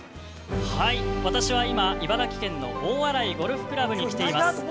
◆私は今茨城県大洗ゴルフ倶楽部に来ています。